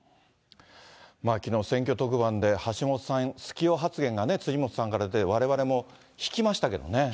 きのう、選挙特番で橋下さん、好きよ発言が辻元さんから出て、われわれも引きましたけどね。